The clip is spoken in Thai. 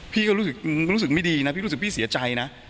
พี่ก็รู้สึกไม่ดีนะพี่รู้สึกพี่เสียใจนะ